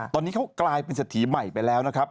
ตอนนี้เขากลายเป็นเศรษฐีใหม่ไปแล้วนะครับ